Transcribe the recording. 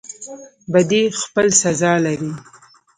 بدی خپل سزا لري